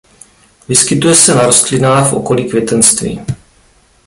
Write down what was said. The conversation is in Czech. Vyskytuje se na rostlinách v okolí květenství.